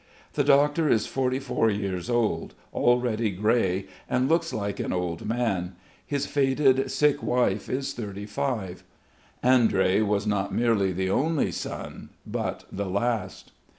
The doctor is forty four years old, already grey and looks like an old man; his faded sick wife is thirty five. Audrey was not merely the only son but the last.